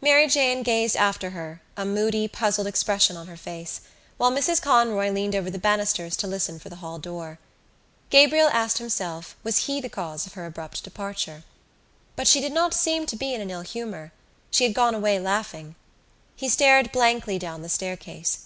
Mary Jane gazed after her, a moody puzzled expression on her face, while Mrs Conroy leaned over the banisters to listen for the hall door. Gabriel asked himself was he the cause of her abrupt departure. But she did not seem to be in ill humour: she had gone away laughing. He stared blankly down the staircase.